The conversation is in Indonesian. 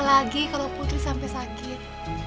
apakah lagi kalau putri sampai sakit